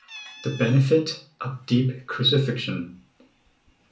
THE BENEFIT OF DEEP CRUCIFIXION.